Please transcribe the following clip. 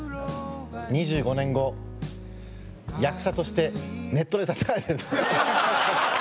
２５年後役者としてネットでたたかれてるぞ。